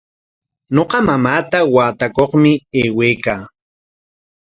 Ñuqa mamaata watukaqmi aywaykaa.